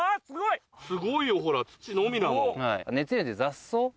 すごいよほら土のみだもん。